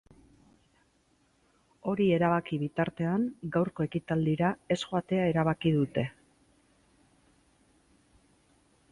Hori erabaki bitartean, gaurko ekitaldira ez joatea erabaki dute.